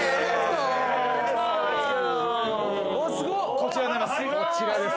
こちらになります。